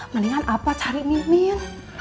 mendingan pak cari mimin